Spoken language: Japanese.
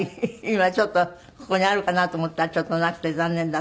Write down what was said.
今ちょっとここにあるかなと思ったらちょっとなくて残念だった。